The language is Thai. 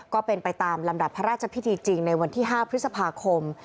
ก็เป็นไปตามลำดับพระราชพิธีจริงในวันที่๕พฤษภาคม